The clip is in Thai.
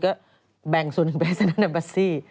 ก็แบ่งส่วนหนึ่งไปให้สนั่นบัสซี่